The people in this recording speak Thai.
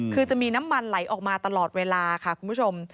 คือจะมีน้ำมันไหลออกมาตลอดเวลาค่ะคุณผู้ชม